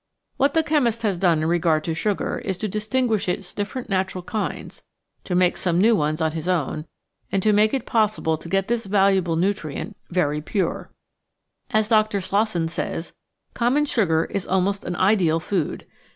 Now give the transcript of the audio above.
What the chemist has done in regard to sugar is to distinguish its different natural kinds ; to make some new ones on his own, and to make it possible to get this valuable nutrient very pure. As Dr. Slosson says: "Common sugar is almost an ideal food.